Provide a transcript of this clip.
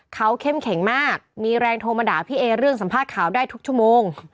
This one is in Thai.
เขาเข้มแข็งมากมีแรงโทรมาด่าพี่เอเรื่องสัมภาษณ์ข่าวได้ทุกชั่วโมง